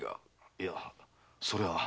いやそれは。